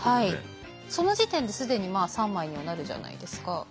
その時点で既に３枚にはなるじゃないですか。